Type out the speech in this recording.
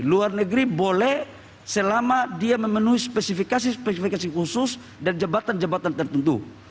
luar negeri boleh selama dia memenuhi spesifikasi spesifikasi khusus dan jembatan jembatan tertentu